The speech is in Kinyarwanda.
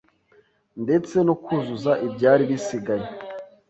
ndetse no kuzuza ibyari bisigaye